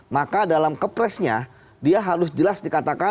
maka dalam kepresnya dia harus jelas dikatakan